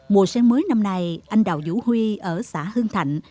mùa sen mới năm nay anh đào vũ huy ở xã hưng thạnh